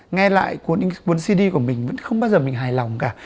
nghe lại cuốn cd của mình vẫn không bao giờ mình hài lòng cả